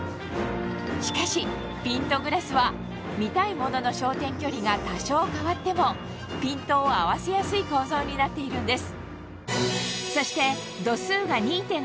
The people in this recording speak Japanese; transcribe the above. しかしピントグラスは見たいものの焦点距離が多少変わってもピントを合わせやすい構造になっているんです